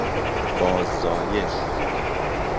باززایش